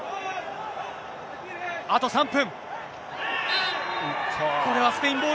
あと３分。